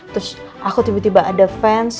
terus aku tiba tiba ada fans